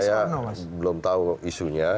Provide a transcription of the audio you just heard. saya belum tahu isunya